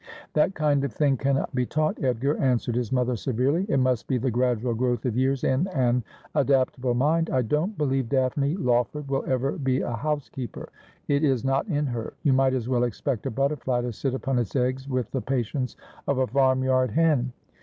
' That kind of thing cannot be taught, Edgar,' answered his mother severely. ' It must be the gradual growth of years in an adaptable mind. I don't believe Daphne Lawford will ever be a housekeeper. It is not in her. You might as well expect a butterfly to sit upon its eggs with the patience of a farm yard hen.